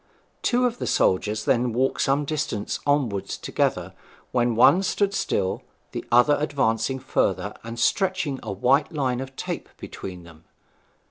Two of the soldiers then walked some distance onward together, when one stood still, the other advancing further, and stretching a white line of tape between them.